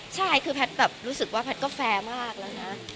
ใช่คือแพทย์แบบรู้สึกว่าแพทย์ก็แฟร์มากแล้วนะ